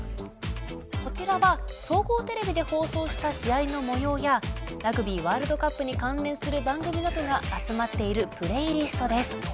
こちらは総合テレビで放送した試合のもようやラグビーワールドカップに関連する番組などが集まっているプレイリストです。